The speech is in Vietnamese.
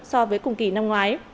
so với cùng kỳ năm ngoái